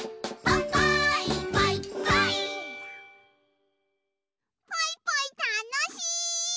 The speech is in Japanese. ポイポイたのしい！